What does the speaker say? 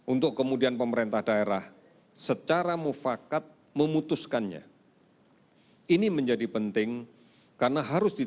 untuk memberikan kemampuan untuk mereka untuk menyelesaikan produk berhasil